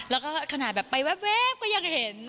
แล้วก็ขนาดแบบไปแว๊บก็ยังเห็น